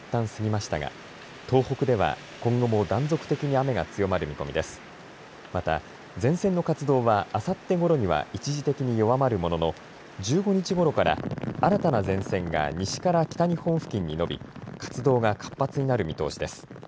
また前線の活動はあさってごろには一時的に弱まるものの１５日ごろから新たな前線が西から北日本付近に延び活動が活発になる見通しです。